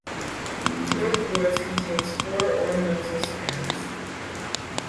North Woods contains four ornamental spans.